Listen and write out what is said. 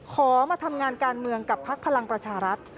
ขอมาทำงานการเมืองกับพักพลังประชารัฐ